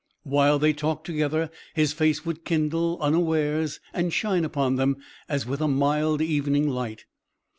While they talked together, his face would kindle, unawares, and shine upon them, as with a mild evening light.